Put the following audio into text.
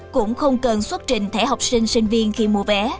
cũng không cần xuất trình thẻ học sinh sinh viên khi mua vé